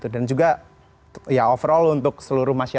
dan juga overall untuk seluruh masyarakat